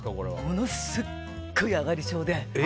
ものすごいあがり症で。